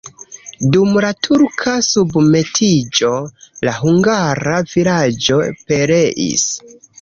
Dum la turka submetiĝo la hungara vilaĝo pereis.